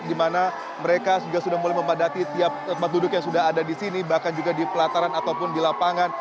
di mana mereka juga sudah mulai memadati tiap tempat duduk yang sudah ada di sini bahkan juga di pelataran ataupun di lapangan